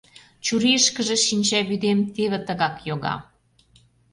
Чурийышкыже шинчавӱдем теве тыгак йога...